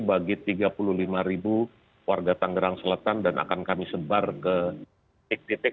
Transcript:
bagi tiga puluh lima ribu warga tangerang selatan dan akan kami sebar ke titik titik